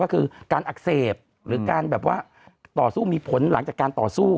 ก็คือการอักเสบหรือการแบบว่าต่อสู้มีผลหลังจากการต่อสู้